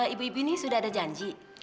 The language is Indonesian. ibu ibu ini sudah ada janji